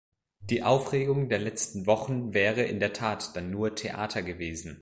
Die Aufregung der letzten Wochen wäre in der Tat dann nur Theater gewesen.